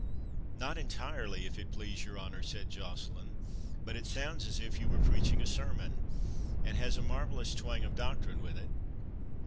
"Not entirely, if it please your honour," said Joceline; "but it sounds as if you were preaching a sermon, and has a marvellous twang of doctrine with it."